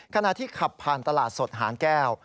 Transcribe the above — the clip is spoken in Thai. ขณะที่ขับผ่านตลาดสดหางแก้ว